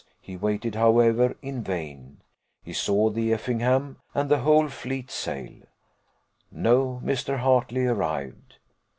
He waited, however, in vain; he saw the Effingham and the whole fleet sail no Mr. Hartley arrived.